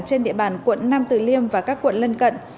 trên địa bàn quận nam tử liêm và các quận lân cận